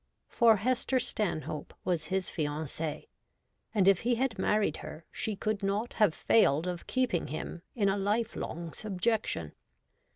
For Hester Stanhope was his fiancie ; and if he had married her, she could not have failed of keeping him in a life long subjection.